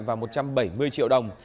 và một trăm bảy mươi triệu đồng